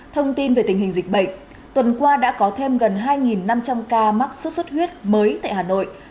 thông tin về tình hình dịch bệnh tuần qua đã có thêm gần hai năm trăm linh ca mắc sốt xuất huyết mới tại hà nội